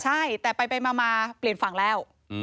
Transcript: ใช่แต่ไปมาเปลี่ยนฝั่งแล้ว